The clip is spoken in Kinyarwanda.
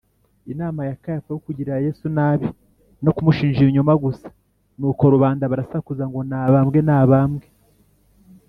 Inama ya Kayafa yo kugirira Yesu nabi no kumushinja ibinyoma gusa, nuko rubanda barasakuza ngo nabambwe nabambwe.